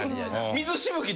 水しぶき